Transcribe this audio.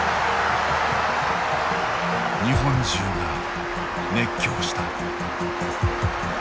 日本中が熱狂した。